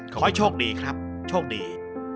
ขอให้โชคดีครับโชคดี